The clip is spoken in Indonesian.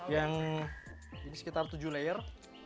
yang sekitar tujuh layer